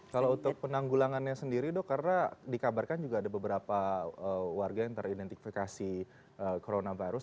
kalau untuk penanggulangannya sendiri dok karena dikabarkan juga ada beberapa warga yang teridentifikasi coronavirus